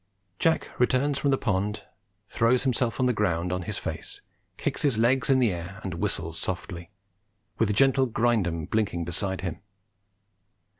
Jack returns from the pond, throws himself on the ground on his face, kicks his legs in the air and whistles softly, with the gentle Grindum blinking beside him.